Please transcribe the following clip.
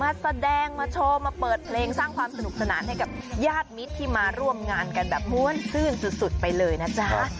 มาแสดงมาโชว์มาเปิดเพลงสร้างความสนุกสนานให้กับญาติมิตรที่มาร่วมงานกันแบบม้วนซื่นสุดไปเลยนะจ๊ะ